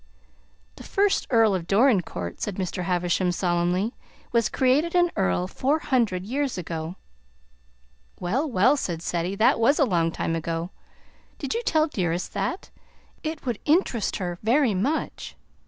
"The first Earl of Dorincourt," said Mr. Havisham solemnly, "was created an earl four hundred years ago." "Well, well!" said Ceddie. "That was a long time ago! Did you tell Dearest that? It would int'rust her very much.